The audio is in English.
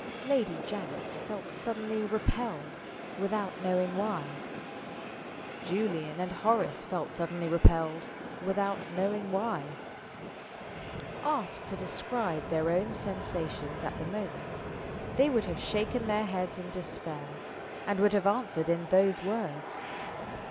Lady Janet felt suddenly repelled, without knowing why. Julian and Horace felt suddenly repelled, without knowing why. Asked to describe their own sensations at the moment, they would have shaken their heads in despair, and would have answered in those words.